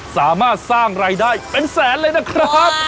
สามารถสร้างรายได้เป็นแสนเลยนะครับ